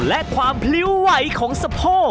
และความพลิ้วไหวของสะโพก